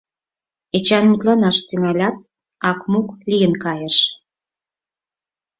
Эчан мутланаш тӱҥалят, акмук лийын кайыш.